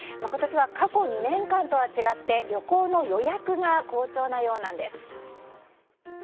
今年は過去２年間とは違って旅行の予約が好調なようです。